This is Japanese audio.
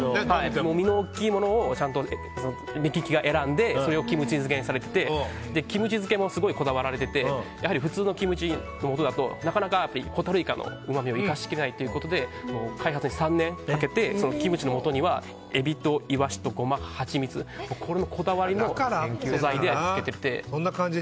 身の大きいものを目利きが選んでキムチ漬けにされててキムチ漬けもすごいこだわられてて普通のキムチのもとだとなかなかホタルイカのうまみを生かしきれないということで開発に３年かけてキムチのもとにはエビとイワシとゴマとハチミツこだわりの素材で味付けてて。